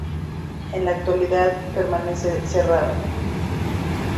En la actualidad permanece cerrado.